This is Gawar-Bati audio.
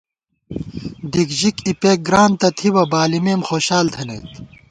دِک ژِک اپېک گران تہ تِھبہ ، بالِمېم خوشال تھنَئیت